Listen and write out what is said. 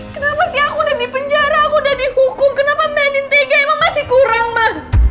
kenapa sih aku udah dipenjara aku udah dihukum kenapa main in tiga emang masih kurang mah